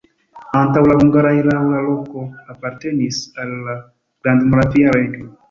Antaŭ la hungara erao la loko apartenis al la Grandmoravia Regno.